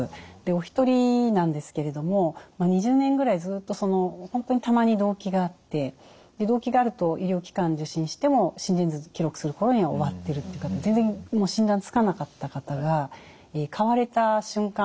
お一人なんですけれども２０年ぐらいずっと本当にたまに動悸があって動悸があると医療機関受診しても心電図記録する頃には終わってるっていう方全然診断つかなかった方が買われた瞬間